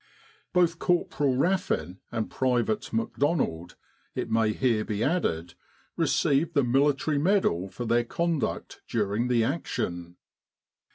" Both Corporal Raffin and Private McDonald, it may here be added, received the Military Medal for their conduct during the action.